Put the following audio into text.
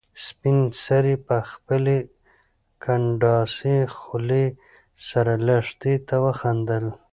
سپین سرې په خپلې کنډاسې خولې سره لښتې ته وخندل.